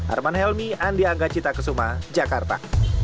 arman helmi andi anggacita kesuma jakarta